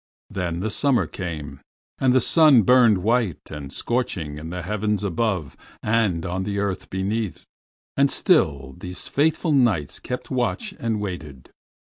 Then the summer came, and the sun burned white and scorching in the heavens above and on the earth beneath, and still these faithful Knights kept watch and waited.